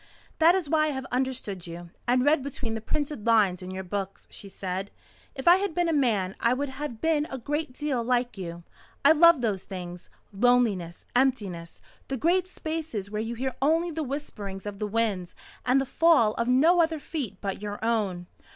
"That is why I have understood you, and read between the printed lines in your books," she said. "If I had been a man, I would have been a great deal like you. I love those things loneliness, emptiness, the great spaces where you hear only the whisperings of the winds and the fall of no other feet but your own.